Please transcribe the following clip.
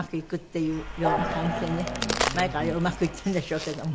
前からうまくいってるんでしょうけども。